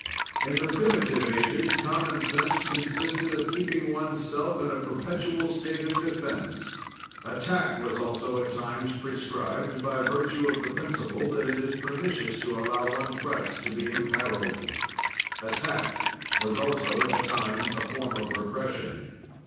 In the primitive ages, common sense consisted in keeping oneself in a perpetual state of defense; attack was also at times prescribed, by virtue of the principle that it is pernicious to allow one's rights to be imperiled. Attack was also at times a form of repression.